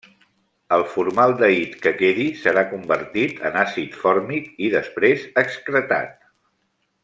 El formaldehid que quedi serà convertit en àcid fòrmic i després excretat.